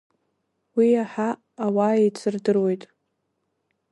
Уи иаҳа ауаа еицырдыруеит.